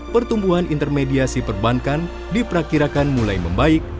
pertumbuhan intermediasi perbankan diperkirakan mulai membaik